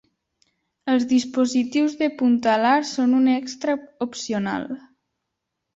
Els dispositius de punta alar són un extra opcional.